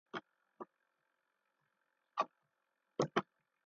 بَوْق پَھت (ݜ۔ ص) ایک دم پھٹنا، کُھلنا یا کِھلنا۔